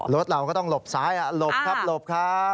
รถเราก็ต้องหลบซ้ายหลบครับหลบครับ